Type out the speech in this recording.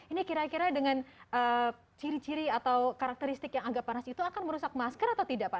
ini kira kira dengan ciri ciri atau karakteristik yang agak panas itu akan merusak masker atau tidak pak